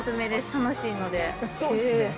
楽しいので。